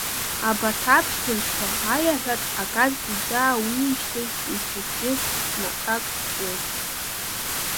Абарҭ аԥшхәынҵәқәа, аиаҳәаҿ агаз иӡаауижьҭеи мчыбжьы наҟьак ҵуеит.